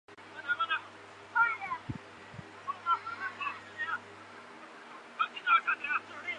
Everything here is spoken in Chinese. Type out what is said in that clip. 丹佛野马是一支位于科罗拉多州丹佛的职业美式足球球队。